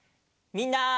みんな。